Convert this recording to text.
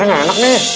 ini aku gak asli